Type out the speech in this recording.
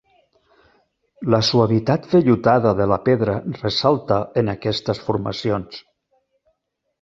La suavitat vellutada de la pedra ressalta en aquestes formacions.